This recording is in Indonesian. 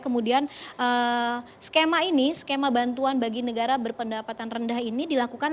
kemudian skema ini skema bantuan bagi negara berpendapatan rendah ini dilakukan